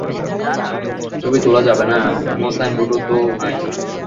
ছবি তুলা যাবেনা, এমন সাইনবোর্ডও তো নাই।